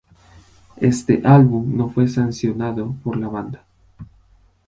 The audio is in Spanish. Este álbum no fue sancionado por la banda.